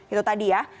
itu tadi ya